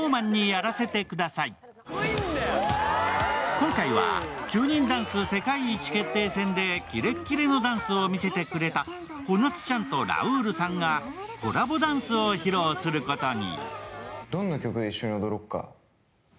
今回は９人ダンス世界一決定戦でキッレキレのダンスを見せてくれたほなつちゃんとラウールさんがコラボダンスを披露することに。